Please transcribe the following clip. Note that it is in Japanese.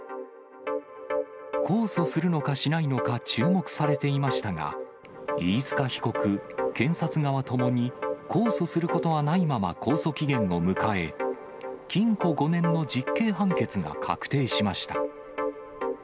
控訴するのかしないのか注目されていましたが、飯塚被告、検察側共に控訴することはないまま控訴期限を迎え、禁錮５年の実刑判決が確定しました。